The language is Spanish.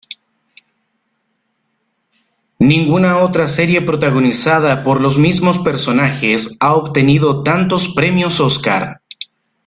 Ninguna otra serie protagonizada por los mismos personajes ha obtenido tantos premios Óscar.